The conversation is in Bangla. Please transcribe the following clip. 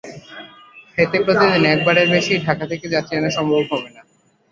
এতে প্রতিদিন একবারের বেশি ঢাকা থেকে যাত্রী আনা সম্ভব হবে না।